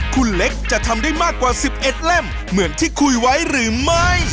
คุณเล็กจะทำได้มากกว่า๑๑เล่มเหมือนที่คุยไว้หรือไม่